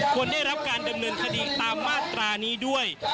ควรได้รับการดำเนินคดีตามมาตรานี้ด้วย